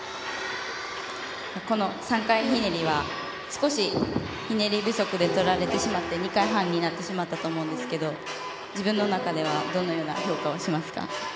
この３回ひねりはひねり不足を取られてしまって２回半になってしまったと思うんですけど自分の中でどのような評価をしますか。